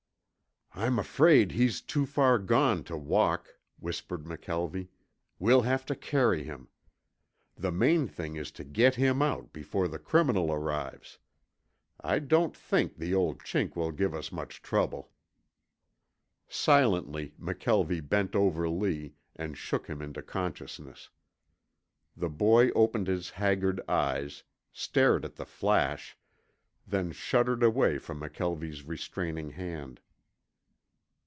"I'm afraid he's too far gone to walk," whispered McKelvie. "We'll have to carry him. The main thing is to get him out before the criminal arrives. I don't think the old Chink will give us much trouble." Silently McKelvie bent over Lee and shook him into consciousness. The boy opened his haggard eyes, stared at the flash, then shuddered away from McKelvie's restraining hand.